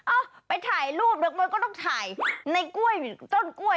เอ้อไปถ่ายรูปละก็ต้องถ่ายในกล้วยต้นกล้วย